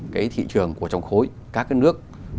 cái thị trường của trong khối các nước